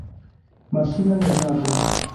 Maŝina lernado.